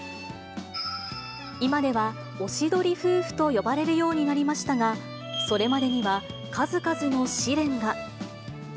今ではおしどり夫婦と呼ばれるようになりましたが、それまでには数々の試練が。